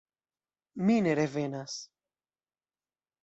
Mi ne revenas.